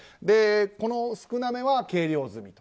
この少なめは計量済みと。